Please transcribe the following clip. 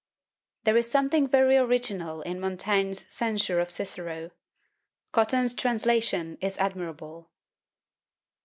There is something very original in Montaigne's censure of Cicero. Cotton's translation is admirable.